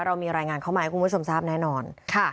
เรามีรายงานเข้ามาให้คุณผู้ชมทราบแน่นอน